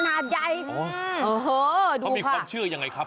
เขามีความเชื่อยังไงครับ